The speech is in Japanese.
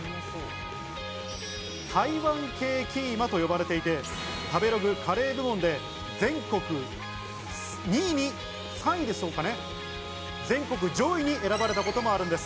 台湾系キーマと呼ばれていて、食べログカレー部門で全国上位に選ばれたこともあるんです。